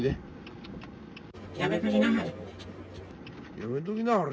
やめときなはれ。